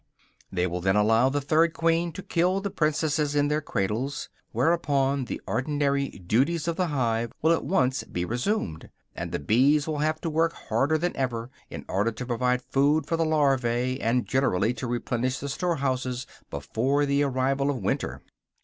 They will then allow the third queen to kill the princesses in their cradles; whereupon the ordinary duties of the hive will at once be resumed, and the bees will have to work harder than ever in order to provide food for the larvæ and generally to replenish the storehouses before the arrival of winter.